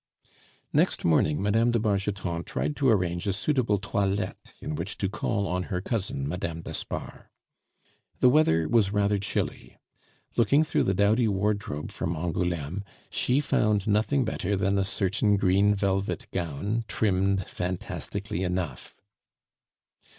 Next morning Mme. de Bargeton tried to arrange a suitable toilette in which to call on her cousin, Mme. d'Espard. The weather was rather chilly. Looking through the dowdy wardrobe from Angouleme, she found nothing better than a certain green velvet gown, trimmed fantastically enough.